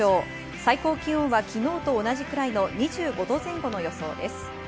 最高気温は昨日と同じくらいの２５度前後の予想です。